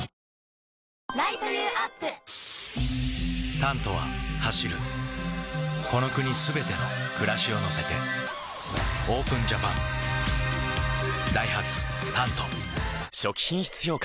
「タント」は走るこの国すべての暮らしを乗せてＯＰＥＮＪＡＰＡＮダイハツ「タント」初期品質評価